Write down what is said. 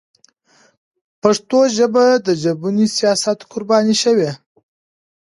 پښتو ژبه د ژبني سیاست قرباني شوې.